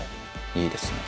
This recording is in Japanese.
いいですね？